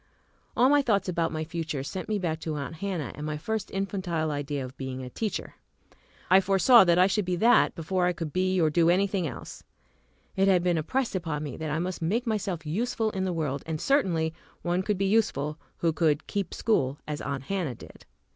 All my thoughts about my future sent me back to Aunt Hannah and my first infantile idea of being a teacher. I foresaw that I should be that before I could be or do any thing else. It had been impressed upon me that I must make myself useful in the world, and certainly one could be useful who could "keep school" as Aunt Hannah did.